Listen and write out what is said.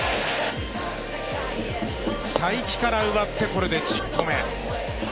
才木から奪って、これで１０個目。